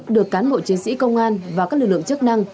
được cán bộ chiến sĩ công an và các lực lượng chức năng